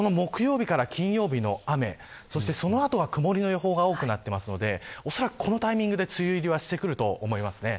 木曜日から金曜日の雨その後は曇りの予報が多くなっていますので恐らくこのタイミングで梅雨入りはしてくると思います。